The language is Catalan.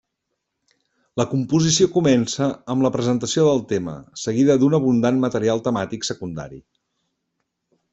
La composició comença amb la presentació del tema, seguida d'un abundant material temàtic secundari.